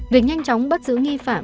việc nhanh chóng bắt giữ nghi phạm